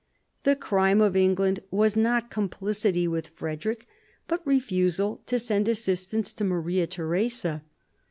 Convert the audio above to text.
The crime of England was not complicity with Frederick, but refusal to send assistance to Maria Theresa.